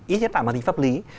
ít nhất là màn hình pháp lý